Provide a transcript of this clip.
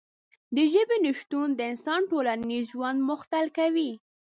د ژبې نشتون د انسان ټولنیز ژوند مختل کوي.